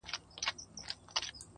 هر چا وژلي په خپل نوبت یو -